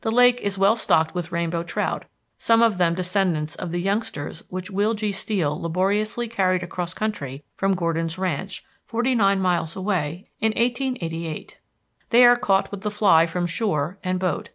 The lake is well stocked with rainbow trout, some of them descendants of the youngsters which Will G. Steel laboriously carried across country from Gordon's Ranch, forty nine miles away, in 1888. They are caught with the fly from shore and boat.